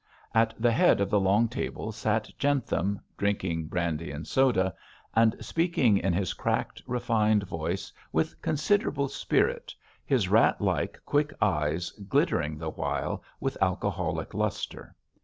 At the head of the long table sat Jentham, drinking brandy and soda, and speaking in his cracked, refined voice with considerable spirit, his rat like, quick eyes glittering the while with alcoholic lustre.